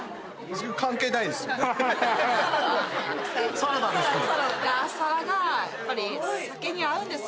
サラダですから。